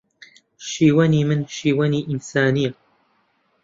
شیوەنی من شیوەنی ئینسانییە